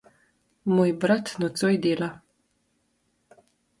Moj brat nocoj dela.